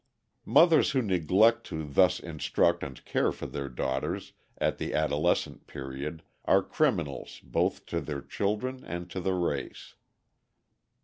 ] Mothers who neglect to thus instruct and care for their daughters at the adolescent period are criminals both to their children and to the race.